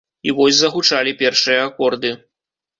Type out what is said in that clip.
І вось загучалі першыя акорды.